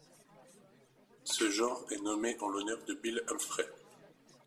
Ce genre est nommé en l'honneur de Bill Humphreys.